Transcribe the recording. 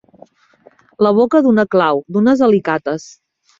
La boca d'una clau, d'unes alicates.